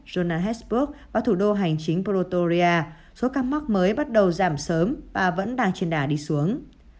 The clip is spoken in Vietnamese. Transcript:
jonasburg và thủ đô hành chính protoria số ca mắc mới bắt đầu giảm sớm và vẫn đang trên đà đi xuống